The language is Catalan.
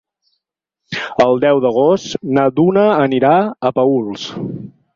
El deu d'agost na Duna anirà a Paüls.